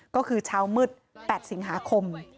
ก็คือเช้ามืด๘สิงหาคม